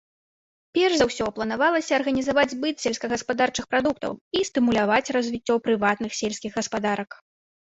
Перш за ўсё, планавалася арганізаваць збыт сельскагаспадарчых прадуктаў і стымуляваць развіццё прыватных сельскіх гаспадарак.